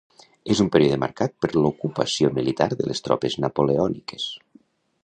És un període marcat per l’ocupació militar de les tropes napoleòniques.